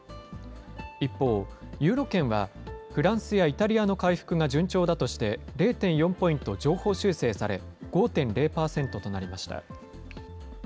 一方、ユーロ圏は、フランスやイタリアの回復が順調だとして、０．４ポイント上方修正され、５．０％となりました。